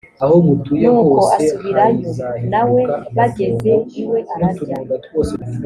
nuko asubirayo na we bageze iwe ararya